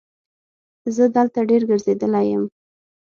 زه دلته ډېر ګرځېدلی یم.